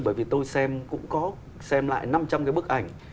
bởi vì tôi xem cũng có xem lại năm trăm linh cái bức ảnh